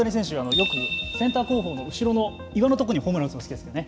よくセンター後方の後ろの岩のところにホームランを打つのが好きですよね。